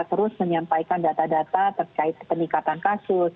terus menyampaikan data data terkait peningkatan kasus